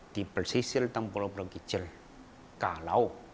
di persisir tambang pulau pulau kecil